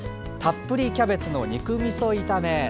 たっぷりキャベツの肉みそ炒め。